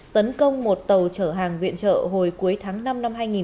tấn công một tàu chở hàng viện trợ hồi cuối tháng năm năm hai nghìn hai mươi